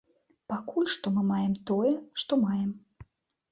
Пакуль што мы маем тое, што маем.